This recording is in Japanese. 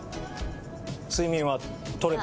睡眠は取れた？